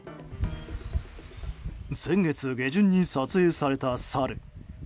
先月下旬に撮影されたサル。